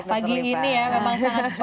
terima kasih banyak dokter lipa